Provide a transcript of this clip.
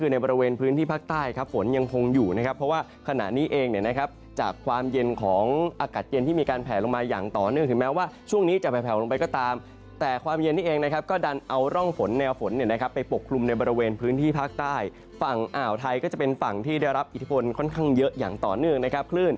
ในบริเวณพื้นที่ภาคใต้ครับฝนยังคงอยู่นะครับเพราะว่าขณะนี้เองเนี่ยนะครับจากความเย็นของอากาศเย็นที่มีการแผลลงมาอย่างต่อเนื่องถึงแม้ว่าช่วงนี้จะแผลวลงไปก็ตามแต่ความเย็นนี้เองนะครับก็ดันเอาร่องฝนแนวฝนเนี่ยนะครับไปปกคลุมในบริเวณพื้นที่ภาคใต้ฝั่งอ่าวไทยก็จะเป็นฝั่งที่ได้รับอิทธิพลค่อนข้างเยอะอย่างต่อเนื่องนะครับคลื่น